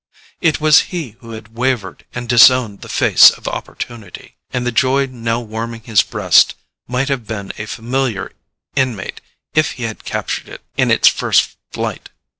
It was he who had wavered and disowned the face of opportunity—and the joy now warming his breast might have been a familiar inmate if he had captured it in its first flight.